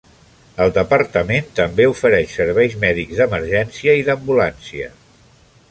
El departament també ofereix serveis mèdics d'emergència i d'ambulància.